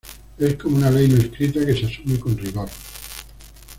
Es como una ley no escrita, que se asume con rigor.